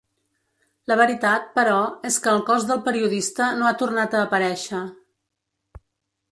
La veritat, però, és que el cos del periodista no ha tornat a aparèixer.